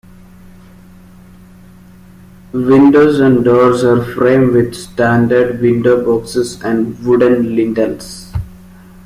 Windows and doors are framed with standard window boxes and wooden lintels.